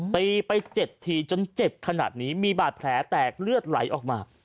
ตีไป๗ทีจนเจ็บขนาดนี้มีบาดแผลแตกเลือดไหลออกมา